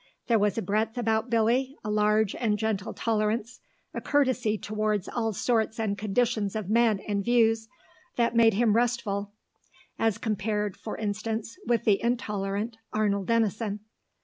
There was a breadth about Billy, a large and gentle tolerance, a courtesy towards all sorts and conditions of men and views, that made him restful, as compared, for instance, with the intolerant Arnold Denison.